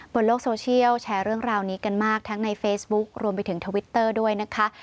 บนโลกโซเชียลแชร์เรื่องราวนี้กันมากทั้งในเฟซบุ๊ครวมไปถึงทวิตเตอร์ด้วยนะคะ